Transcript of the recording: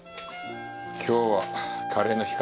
今日はカレーの日か。